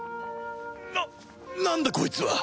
ななんだ！？こいつは